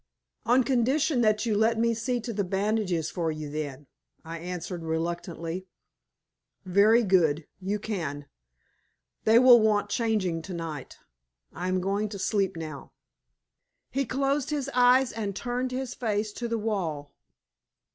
"On condition that you let me see to the bandages for you then," I answered, reluctantly. "Very good! You can. They will want changing to night. I am going to sleep now." He closed his eyes and turned his face to the wall.